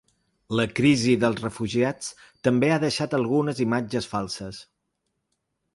La crisi dels refugiats també ha deixat algunes imatges falses.